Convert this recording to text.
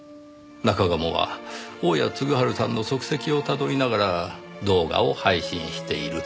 中鴨は大屋嗣治さんの足跡をたどりながら動画を配信している。